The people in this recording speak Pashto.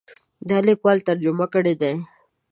دا لیکوال ترجمه کړی دی.